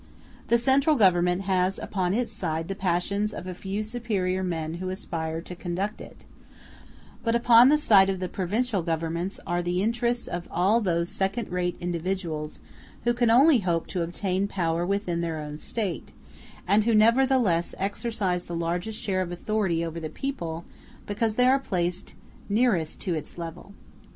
The central Government has upon its side the passions of a few superior men who aspire to conduct it; but upon the side of the provincial governments are the interests of all those second rate individuals who can only hope to obtain power within their own State, and who nevertheless exercise the largest share of authority over the people because they are placed nearest to its level.